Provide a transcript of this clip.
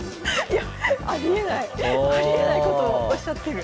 いやありえないことをおっしゃってる。